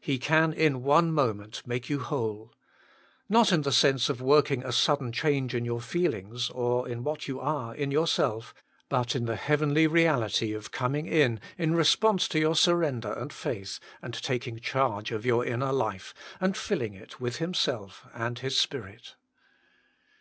He can in one moment make you whole. Not in the sense of working a sudden change in your feelings, or in what you are in your self, but in the heavenly reality of coming in, in response to your surrender and faith, and taking charge of your inner life, and filling it with Himself and Spirit.